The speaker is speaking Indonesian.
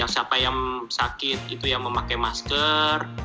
siapa yang sakit yang memakai masker